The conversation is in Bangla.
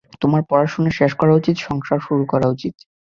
তোমার পড়াশোনা শেষ করা উচিত, সংসার শুরু করা উচিত।